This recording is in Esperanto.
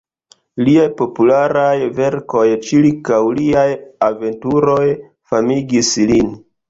Liaj popularaj verkoj ĉirkaŭ liaj aventuroj famigis lin.